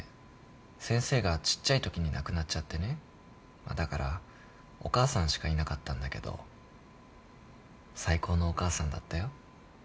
先生がちっちゃいときに亡くなっちゃってねだからお母さんしかいなかったんだけど最高のお母さんだったよ。